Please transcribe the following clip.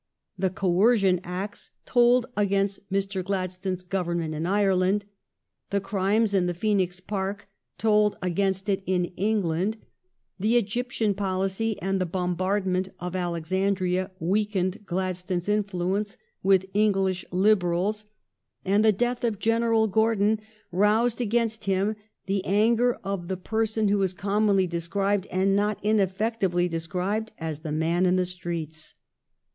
The Coercion Acts told against Mr. Gladstone's government in Ireland, the crimes in the Phoenix Park told against it in England, the Egyptian policy and the bom bardment of Alexandria weakened Gladstone's influence with English Liberals, and the death of General Gordon roused against him the anger of the person who is commonly described, and not ineffectively described, as "the man in the streets."